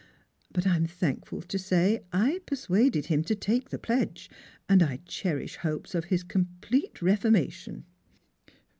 But I am thankful to say I persuaded him to take the pledge, and I cherish hopes of his complete reformation."